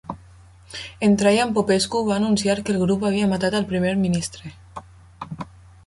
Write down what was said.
En Traian Popescu va anunciar que el grup havia matat al primer ministre.